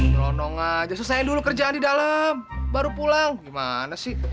nyeronong aja susahnya dulu kerjaan di dalam baru pulang gimana sih